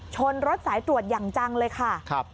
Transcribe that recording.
ชนรถสายตรวจอย่างจังเลยค่ะ